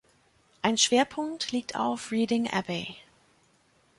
Ein Schwerpunkt liegt auf Reading Abbey.